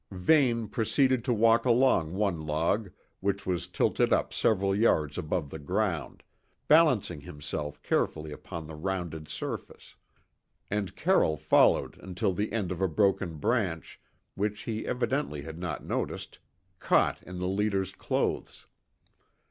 Vane proceeded to walk along one log, which was tilted up several yards above the ground, balancing himself carefully upon the rounded surface; and Carroll followed until the end of a broken branch, which he evidently had not noticed, caught in the leader's clothes.